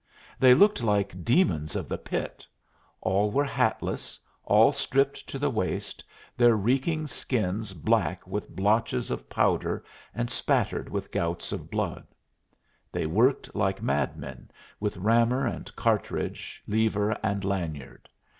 they looked like demons of the pit! All were hatless, all stripped to the waist, their reeking skins black with blotches of powder and spattered with gouts of blood. They worked like madmen, with rammer and cartridge, lever and lanyard.